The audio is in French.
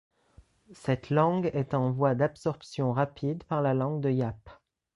Cette langue est en voie d'absorption rapide par la langue de Yap.